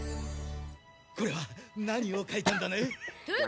これは何を描いたんだね？